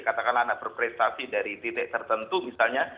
katakanlah anak berprestasi dari titik tertentu misalnya